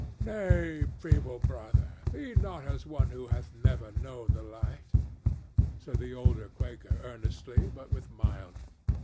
"Nay, feeble brother; be not as one who hath never known the light," said the elder Quaker, earnestly, but with mildness.